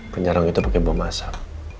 penyerang itu pake bom asap